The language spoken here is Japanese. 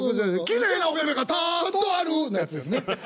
「きれいなおべべがたんとある」のやつですね。